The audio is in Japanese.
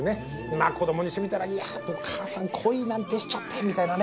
まあ子どもにしてみたらいやあお母さん恋なんてしちゃってみたいなね。